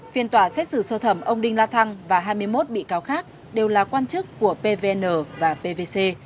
phiên tòa xét xử sơ thẩm ông đinh la thăng và hai mươi một bị cáo khác đều là quan chức của pvn và pvc